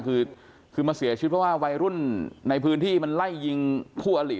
คือคือมาเสียชีวิตเพราะว่าวัยรุ่นในพื้นที่มันไล่ยิงคู่อลิ